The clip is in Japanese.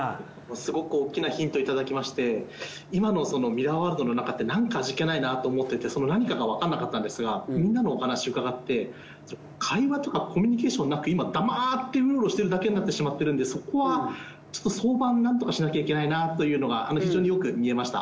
すごくおっきなヒントいただきまして今のミラーワールドの中ってなんか味気ないなと思ってて何かがわかんなかったんですがみんなのお話伺って会話とかコミュニケーションなくいま黙ってウロウロしてるだけになってしまってるんでそこはちょっと早晩なんとかしなきゃいけないなというのが非常によく見えました。